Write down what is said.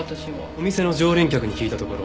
お店の常連客に聞いたところ。